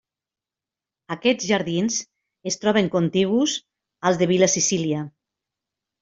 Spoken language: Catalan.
Aquests jardins es troben contigus als de Vil·la Cecília.